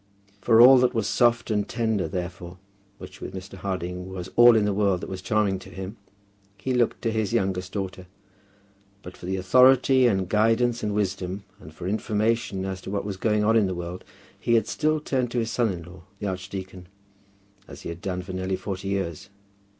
For all that was soft and tender therefore, which with Mr. Harding was all in the world that was charming to him, he looked to his youngest daughter; but for authority and guidance and wisdom, and for information as to what was going on in the world, he had still turned to his son in law the archdeacon, as he had done for nearly forty years.